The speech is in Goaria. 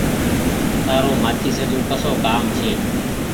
تآرو مآچيسي سون ڪسو ڪآم ڇي۔